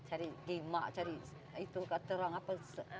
cari gimak cari itu katerang apa